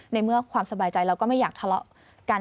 ในเมื่อความสบายใจเราก็ไม่อยากทะเลาะกัน